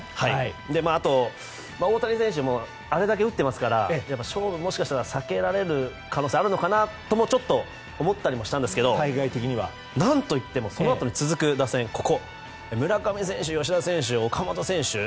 あと、大谷選手もあれだけ打っていますから勝負をもしかしたら避けられる可能性あるのかなとちょっと思ったりもしたんですけど何といってもそのあとに続く打線村上選手、吉田選手、岡本選手。